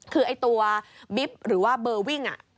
คือไอ้ตัวบิ๊บหรือว่าเบอร์วิ่ง